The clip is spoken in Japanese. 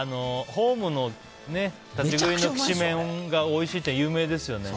ホームの立ち食いのきしめんがおいしいって有名ですよね。